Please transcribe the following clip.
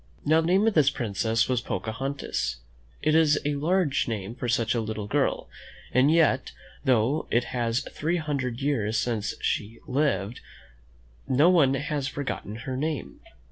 Now, the name of this princess was Pocahon tas. It is a large name for such a little girl; and yet, though it is three hundred years since she lived, no one has forgotten her name.